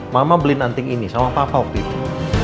mama beliin anting ini sama papa waktu itu